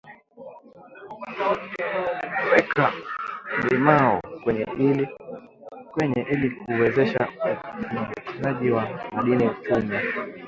weka limao kwenye ili kuwezesha ufyonzwaji wa madini chuma